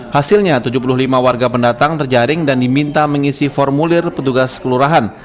hasilnya tujuh puluh lima warga pendatang terjaring dan diminta mengisi formulir petugas kelurahan